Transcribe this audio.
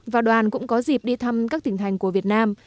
và đoàn cũng có dịp đi thăm các tỉnh thành của việt nam